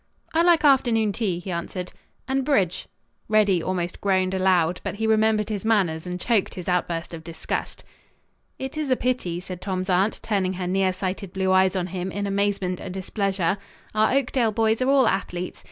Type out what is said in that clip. "I like afternoon tea," he answered, "and bridge." Reddy almost groaned aloud, but he remembered his manners and choked his outburst of disgust. "It is a pity," said Tom's aunt, turning her nearsighted blue eyes on him in amazement and displeasure. "Our Oakdale boys are all athletes.